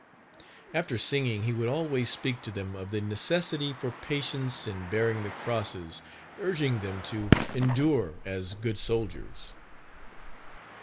After singing he would always speak to them of the necessity for patience in bearing the crosses, urging them to endure "as good soldiers."